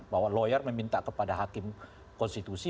bahwa lawyer meminta kepada hakim konstitusi